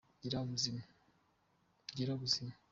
Gira ubuzima.